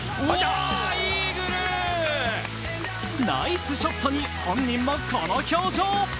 ナイスショットに本人もこの表情。